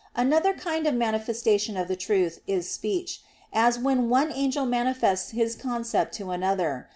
Another kind of manifestation of the truth is speech, as when one angel manifests his concept to another.